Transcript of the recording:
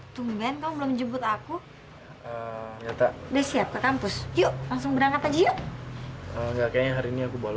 terima kasih ya